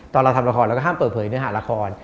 เราทำละครเราก็ห้ามเปิดเผยเนื้อหาละคร